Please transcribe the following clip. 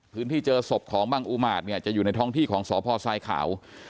พื้นที่เจอศพของบ้างอุมาตจะอยู่ในท้องที่ของสพทรายขาว